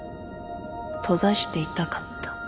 閉ざしていたかった。